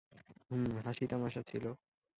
হুম, হাসি তামাশা ছিল।